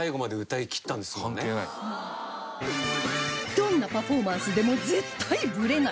どんなパフォーマンスでも絶対ブレない！